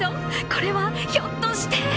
これはひょっとして？